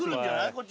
こっち。